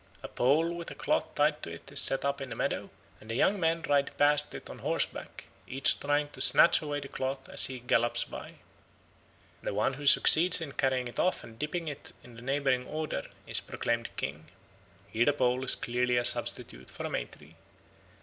A pole with a cloth tied to it is set up in a meadow, and the young men ride past it on horseback, each trying to snatch away the cloth as he gallops by. The one who succeeds in carrying it off and dipping it in the neighbouring Oder is proclaimed King. Here the pole is clearly a substitute for a May tree.